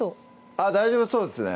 あっ大丈夫そうですね